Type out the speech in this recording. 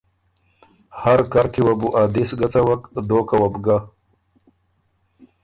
هر کر کی وه بو ا دِست ګۀ څوَک، دوکه وه بو ګۀ